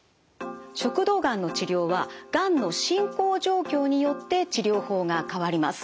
食道がんの治療はがんの進行状況によって治療法が変わります。